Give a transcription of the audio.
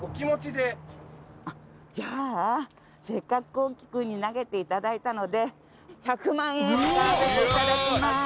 じゃあせっかく航希君に投げていただいたので１００万円使わせていただきます。